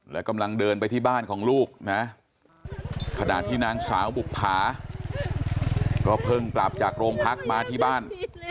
และกำลังเดินไปที่บ้านของลูกนะขณะที่นางสาวบุภาก็เพิ่งกลับจากโรงพักมาที่บ้าน